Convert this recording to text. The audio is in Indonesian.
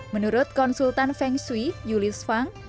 menurut konsultan feng shui julius fang